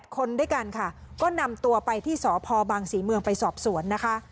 คนด้วยกันค่ะก็นำตัวไปที่สพบังศรีเมืองไปสอบสวนนะคะ